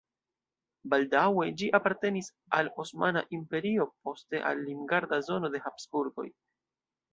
Baldaŭe ĝi apartenis al Osmana Imperio, poste al limgarda zono de Habsburgoj.